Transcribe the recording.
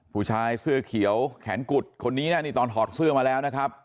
ผู้ชายเสื้อเขียวแขนกุดคนนี้นะนี่ตอนถอดเสื้อมาแล้วนะครับ